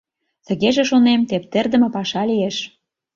Тыгеже, шонем, тептердыме паша лиеш.